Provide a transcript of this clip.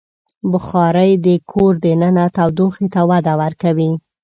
بخاري د کور دننه تودوخې ته وده ورکوي.